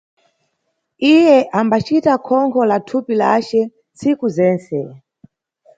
Iye abacita khonkho la thupi lace ntsiku zentse.